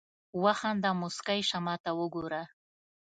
وخانده مسکی شه ماته وګوره